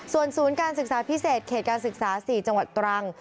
ส่วนศูนย์การศึกษาพิเศษเขตการศึกษา๔จังหวัดตรัง